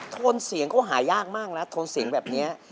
โทนเสียงก็หายากมากนะโทนเสียงแบบนี้